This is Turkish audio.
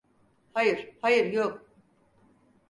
Hayır, hayır, yok.